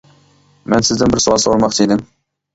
مەن سىزدىن بىر سوئال سورىماقچى ئىدىم!